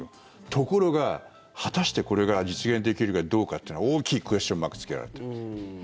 ところが、果たしてこれが実現できるかどうかってのは大きいクエスチョンマークがつけられてるんです。